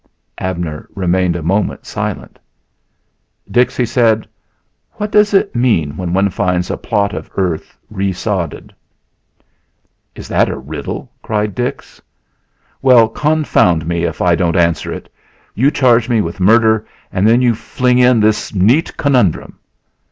Abner remained a moment silent. "Dix," he said, "what does it mean when one finds a plot of earth resodded?" "Is that a riddle?" cried Dix. "Well, confound me, if I don't answer it! You charge me with murder and then you fling in this neat conundrum.